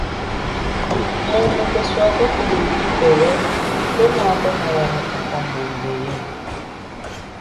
Mumu kweswako kuli upite we, kwenako nawa mukupwa mbunge ye.